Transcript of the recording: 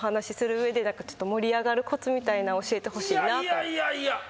いやいやいや。